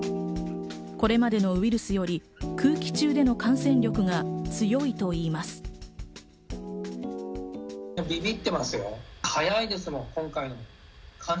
これまでのウイルスより、空気中での感染力が強いといいます。